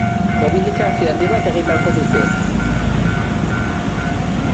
Mobilizazioa handi bat egin beharko dute.